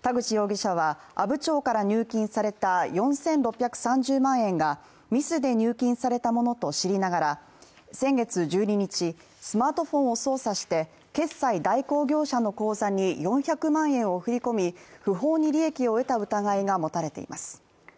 田口容疑者は阿武町から入金された４６３０万円がミスで入金されたものと知りながら、先月１２日スマートフォンを操作して決済代行業者の口座に４００万円を振り込み不法に利益を得た疑いが持たれています。